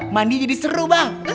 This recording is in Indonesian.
mandi jadi seru bang